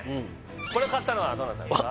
これ買ったのはどなたですか？